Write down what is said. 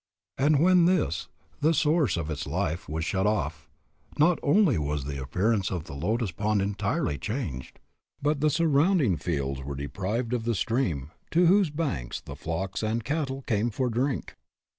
And when this, the source of its life, was shut off, not only was the appearance of the lotus pond entirely changed, but the surrounding fields were deprived of the stream to whose banks the flocks and cattle came for drink.